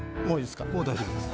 もう大丈夫です。